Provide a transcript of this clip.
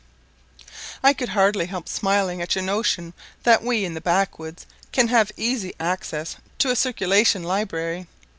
I could hardly help smiling at your notion that we in the backwoods can have easy access to a circulation library.